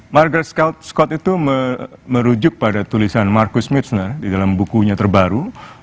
margar scott itu merujuk pada tulisan marcus mitsner di dalam bukunya terbaru